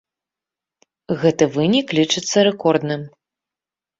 Гэты вынік лічыцца рэкордным.